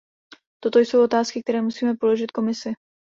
Toto jsou otázky, které musíme položit Komisi.